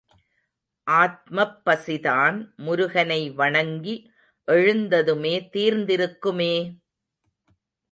ஆத்மப் பசிதான் முருகனை வணங்கி எழுந்ததுமே தீர்ந்திருக்குமே!